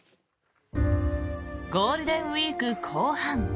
ゴールデンウィーク後半。